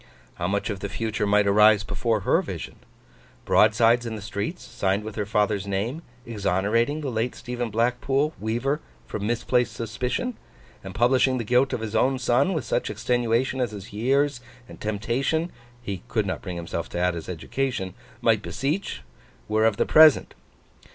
How much of the future might arise before her vision? Broadsides in the streets, signed with her father's name, exonerating the late Stephen Blackpool, weaver, from misplaced suspicion, and publishing the guilt of his own son, with such extenuation as his years and temptation (he could not bring himself to add, his education) might beseech; were of the Present.